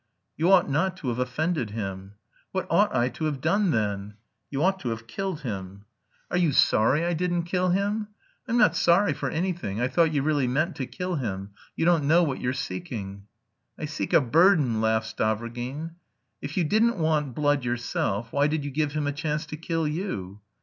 "You ought not to have offended him." "What ought I to have done then?" "You ought to have killed him." "Are you sorry I didn't kill him?" "I'm not sorry for anything. I thought you really meant to kill him. You don't know what you're seeking." "I seek a burden," laughed Stavrogin. "If you didn't want blood yourself, why did you give him a chance to kill you?"